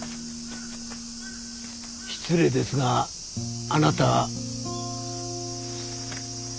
失礼ですがあなた。